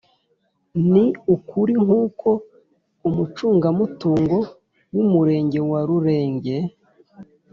ni ukuri nkuko umucungamutungo w’umurenge wa rulenge